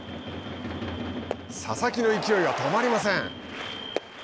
佐々木の勢いは止まりません。